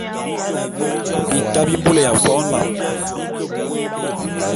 Bita bi bôlé ya fo’o nlam.